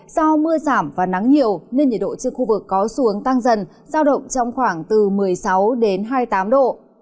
do mưa giảm và nắng nhiều nên nhiệt độ trên khu vực có xuống tăng dần giao động trong khoảng từ một mươi sáu hai mươi tám độ